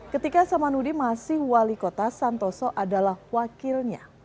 ketika saman hudi masih wali kota santoso adalah wakilnya